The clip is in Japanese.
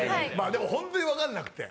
でも本当にわかんなくて。